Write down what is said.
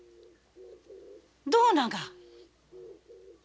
どうなが？